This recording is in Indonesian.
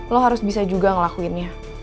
lo harus bisa juga ngelakuinnya